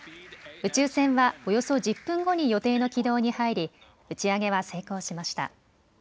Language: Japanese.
宇宙船はおよそ１０分後に予定の軌道に入り打ち上げは成功しました。